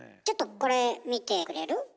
ちょっとこれ見てくれる？